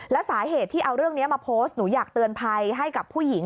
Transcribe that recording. และสาเหตุที่เอาเรื่องนี้มาโพสต์หนูอยากเตือนภัยให้กับผู้หญิง